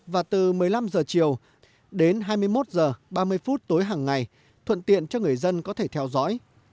và từ một mươi năm h chiều đến hai mươi một h ba mươi phút tối hàng ngày thuận tiện cho người dân có thể theo dõi